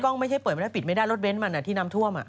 กองไม่ใช่ปิดไม่ได้รถเว้นมันที่น้ำทั่วม